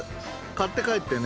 買って帰ってね